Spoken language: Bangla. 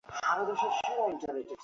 যে অনুপ্রবেশ নিয়ে তোমরা ভয় পাচ্ছো।